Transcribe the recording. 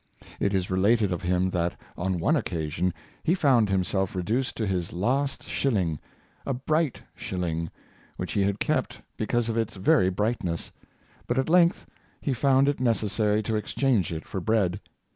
It is related of him that on one oc casion he found himself reduced to his last shilling — a bright shilling — which he had kept because of its very brightness, but at length he found it necessary to ex change it for bread.